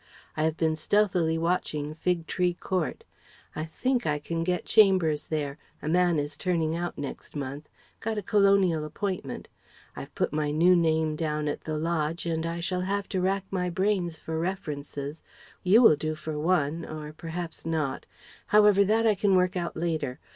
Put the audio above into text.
I have been stealthily watching Fig Tree Court. I think I can get chambers there a man is turning out next month got a Colonial appointment I've put my new name down at the lodge and I shall have to rack my brains for references you will do for one or perhaps not however that I can work out later.